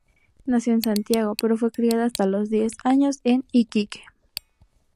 Nació en Santiago, pero fue criada hasta los diez años en Iquique.